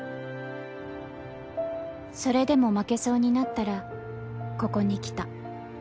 それでも負けそうになったらここに来た。